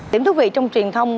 điểm thú vị trong truyền thông